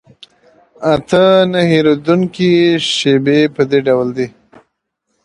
اته نه هېرېدونکي شیبې په دې ډول دي.